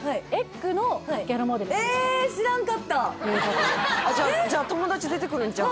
知らんかったじゃあ友達出てくるんちゃう？